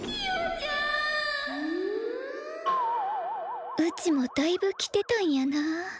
心の声うちもだいぶきてたんやな。